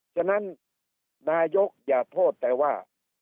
ฉะนั้นนายกอย่าโทษแต่ว่า